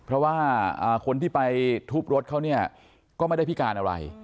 เพราะว่าคนที่ไปทุบรถเขาเนี่ยก็ไม่ได้พิการอะไร